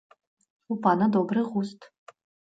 У пана добры густ.